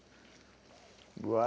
うわ